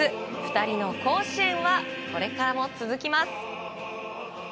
２人の甲子園はこれからも続きます。